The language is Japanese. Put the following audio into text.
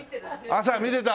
朝見てた？